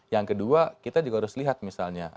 yang kedua kita juga harus lihat misalnya